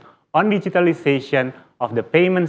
dalam digitalisasi sistem uang